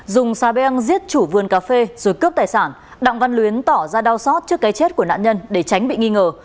dùng xà beng giết chủ vườn cà phê rồi cướp tài sản đặng văn luyến tỏ ra đau xót trước cái chết của nạn nhân để tránh bị nghi ngờ